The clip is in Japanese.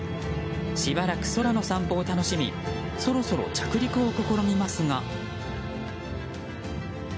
しばらく空の散歩を楽しみそろそろ着陸を試みますが。